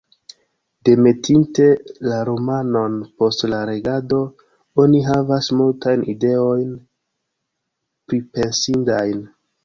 Demetinte la romanon, post la legado, oni havas multajn ideojn pripensindajn.